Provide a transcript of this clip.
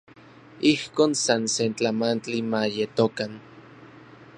Ijkon san se tlamantli ma yetokan.